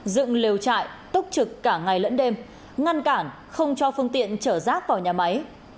dựng liều trại tốc trực cả ngày lẫn đêm ngăn cản không cho phương tiện trở rác vào nhà máy